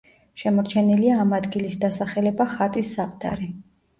შემორჩენილია ამ ადგილის დასახელება „ხატის საყდარი“.